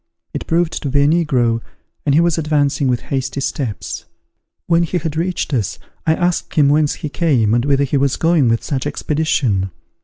It proved to be a negro, and he was advancing with hasty steps. When he had reached us, I asked him whence he came, and whither he was going with such expedition.